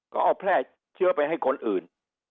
ก็เอาแพร่เชื้อไปให้คนอื่น